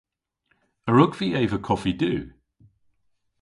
A wrug vy eva koffi du?